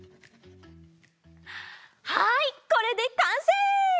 はいこれでかんせい！